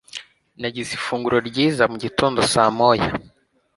Nagize ifunguro ryiza mugitondo saa moya.